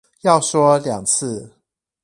要說兩次